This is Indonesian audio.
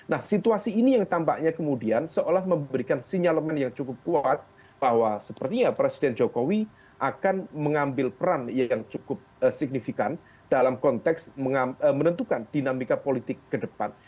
nah situasi ini yang tampaknya kemudian seolah memberikan sinyalemen yang cukup kuat bahwa sepertinya presiden jokowi akan mengambil peran yang cukup signifikan dalam konteks menentukan dinamika politik ke depan